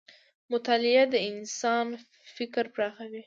مطالعه د انسان فکر پراخوي.